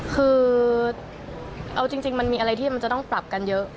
คือเอาจริงมันมีอะไรที่มันจะต้องปรับกันเยอะ